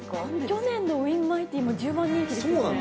・去年のウインマイティーも１０番人気ですよね。